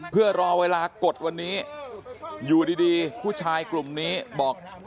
เพื่อรอเวลากดวันนี้อยู่ดีผู้ชายกลุ่มนี้บอก